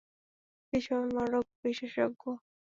বিশু, আমি মনোরোগ বিশেষজ্ঞ।